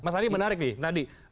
mas adi menarik nih